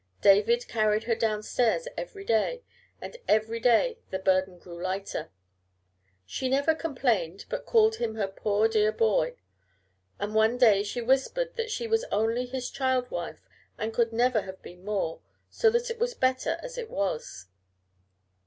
David carried her down stairs every day, and every day the burden grew lighter. She never complained, but called him her poor, dear boy, and one day she whispered that she was only his child wife and could never have been more, so that it was better as it was!